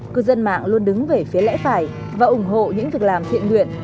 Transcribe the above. cư dân mạng luôn đứng về phía lẽ phải và ủng hộ những việc làm thiện nguyện